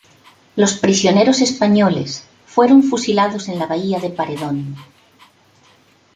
Los prisioneros españoles fueron fusilados en la bahía de Paredón.